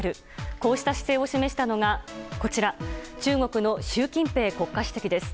こうした姿勢を示したのが中国の習近平国家主席です。